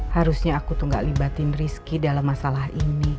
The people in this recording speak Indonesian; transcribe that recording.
harusnya aku tuh gak libatin rizki dalam masalah ini